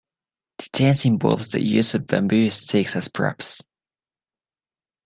The dance involves the use of bamboo sticks as props.